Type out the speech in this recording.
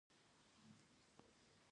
د غزني په ناوور کې د سرو زرو نښې شته.